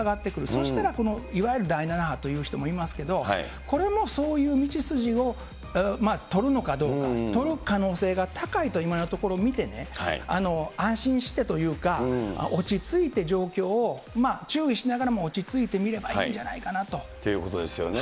そうしたら、いわゆる第７波と言う人もいますけど、これもそういう道筋を取るのかどうか、取る可能性が高いと、今のところ、見てね、安心してというか、落ち着いて、状況を注意しながらも、落ち着いて見ればいいんじゃないかなと。ということですよね。